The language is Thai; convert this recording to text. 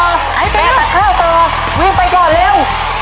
ให้แฟนตักข้าวต่อวิ่งไปก่อนเร็ว